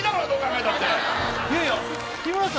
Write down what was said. いやいや日村さん